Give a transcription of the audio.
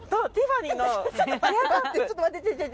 ちょっと待って。